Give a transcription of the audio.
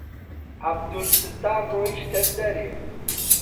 عەبدولستار ڕۆیشتە دەرێ.